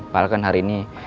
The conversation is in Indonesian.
pak al kan hari ini